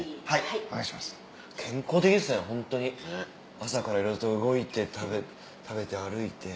朝からいろいろと動いて食べて歩いて。